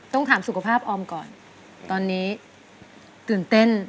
ต้องถามสุขภาพออมก่อนตอนนี้ตื่นเต้น